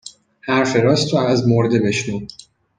حرف راستو از مرده بشنو